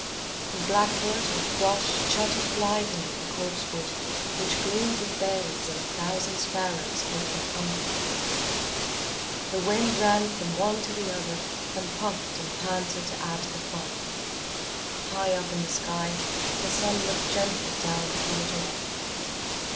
And blackbird and thrush chattered blithely in the copsewood, which gleamed with berries, and a thousand sparrows kept them company. The wind ran from one to the other and puffed and panted to add to the fun. High up in the sky, the sun looked gently down upon it all.